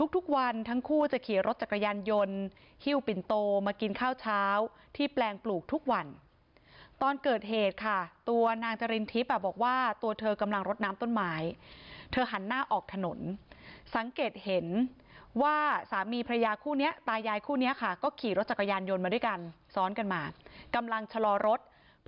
ทุกวันทั้งคู่จะขี่รถจักรยานยนต์